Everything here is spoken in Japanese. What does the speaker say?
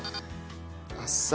あっさり。